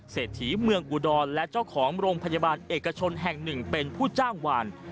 เศรษฐีเมืองอุดรและเจ้าของโรงพยาบาลเอกชนแห่งหนึ่งเป็นผู้จ้างวาน